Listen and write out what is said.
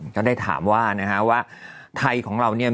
ก็ได้ถามว่านะฮะว่าไทยของเราเนี่ย